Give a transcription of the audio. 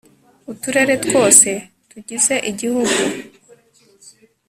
uturere twose tugize igihugu